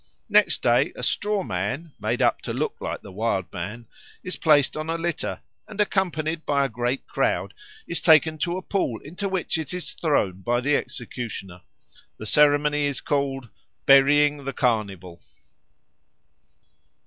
Next day a straw man, made up to look like the Wild Man, is placed on a litter, and, accompanied by a great crowd, is taken to a pool into which it is thrown by the executioner. The ceremony is called "burying the Carnival."